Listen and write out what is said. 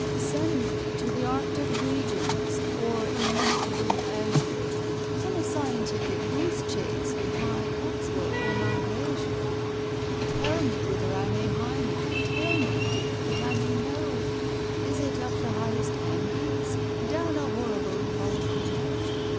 "Send me to the Arctic regions, or illimitable azure, On a scientific goose chase, with my COXWELL or my GLAISHER! "Tell me whither I may hie me—tell me, dear one, that I may know— Is it up the highest Andes? down a horrible volcano?"